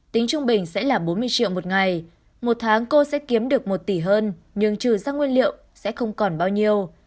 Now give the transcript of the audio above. tính trung bình sẽ là bốn mươi triệu một ngày một tháng cô sẽ kiếm được một tỷ hơn nhưng trừ ra nguyên liệu sẽ không còn bao nhiêu